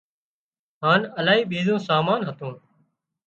هانَ الاهي ٻيزون سامان هتون